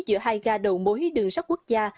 giữa hai ga đầu mối đường sắt quốc gia